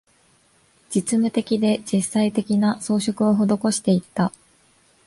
実務的で、実際的な、装飾を施していった